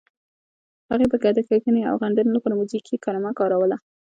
هغې به د کږنې او غندنې لپاره موزیګي کلمه کاروله.